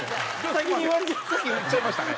先言っちゃいましたね。